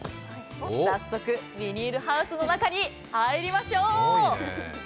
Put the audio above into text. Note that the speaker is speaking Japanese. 早速ビニールハウスの中に入りましょう。